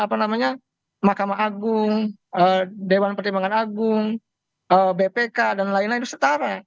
apa namanya mahkamah agung dewan pertimbangan agung bpk dan lain lain itu setara